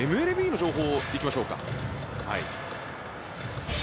ＭＬＢの情報に行きましょうか。